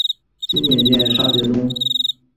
今缅甸杰沙东。